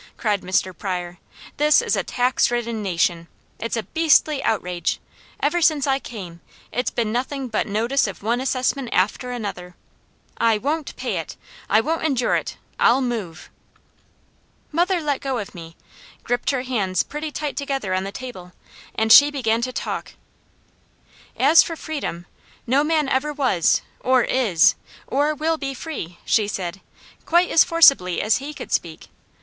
cried Mr. Pryor. "This is a tax ridden nation. It's a beastly outrage! Ever since I came, it's been nothing but notice of one assessment after another. I won't pay it! I won't endure it. I'll move!" Mother let go of me, gripped her hands pretty tight together on the table, and she began to talk. "As for freedom no man ever was, or is, or will be free," she said, quite as forcibly as he could speak.